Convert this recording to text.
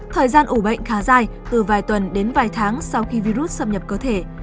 thời gian ủ bệnh khá dài từ vài tuần đến vài tháng sau khi virus xâm nhập cơ thể